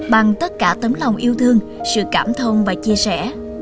bằng tất cả tấm lòng yêu thương sự cảm thông và chia sẻ